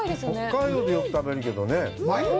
北海道でよく食べるけどね。